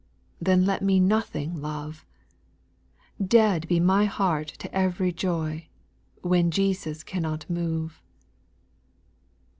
Tbcn let me nothing love ; Dead be my heart to every joy, When Jesus cannot move.